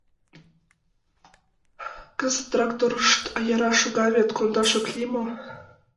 Кызыт тракторышт яра шога вет, кондаш ок лий мо?